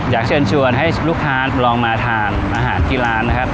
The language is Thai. อยากเชิญชวนให้ลูกค้าลองมาทานอาหารที่ร้านนะครับ